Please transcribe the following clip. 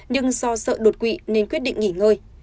nhưng do sợ đột quỵ nên quyết định nghỉ ngơi